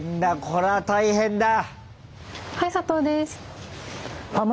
これは大変だ！